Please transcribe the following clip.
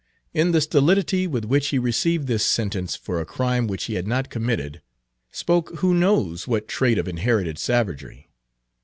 In the stolidity with which he received this sentence for a crime which he had not committed, spoke who knows what trait of inherited savagery?